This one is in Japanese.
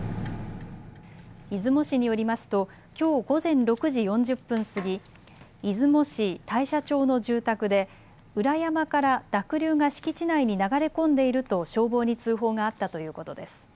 出雲市によりますときょう午前６時４０分過ぎ、出雲市大社町の住宅で裏山から濁流が敷地内に流れ込んでいると消防に通報があったということです。